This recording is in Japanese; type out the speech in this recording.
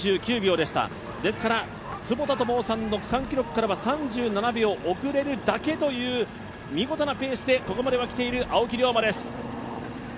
ですから坪田智夫さんの区間記録からは３７秒遅れるだけという見事なペースでここまでは来ている青木涼真です。